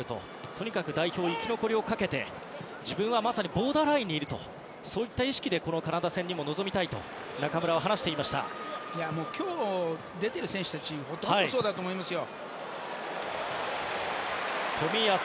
とにかく代表生き残りをかけて自分はまさにボーダーラインにいるとそういった意識でこのカナダ戦にも臨みたいと今日出ている選手はほとんどそうだと思いますよ。